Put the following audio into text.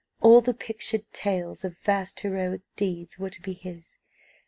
All the pictured tales of vast heroic deeds were to be his.